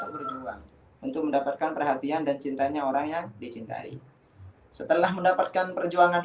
berjuang untuk mendapatkan perhatian dan cintanya orang yang dicintai setelah mendapatkan perjuangan